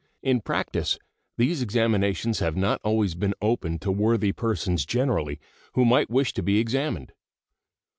In practice these examinations have not always been open to worthy persons generally who might wish to be examined.